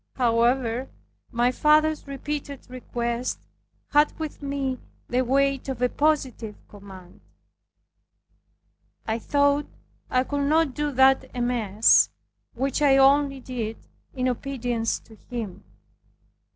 However, my father's repeated requests had with me the weight of a positive command. I thought I could not do that amiss, which I only did in obedience to him.